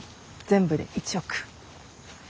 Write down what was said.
全部で１億。